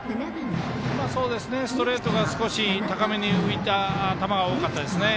ストレートが少し高めに浮いた球が多かったですね。